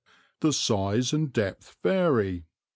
"The size and depth vary.